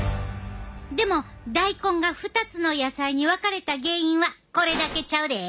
でも大根が２つの野菜に分かれた原因はこれだけちゃうで！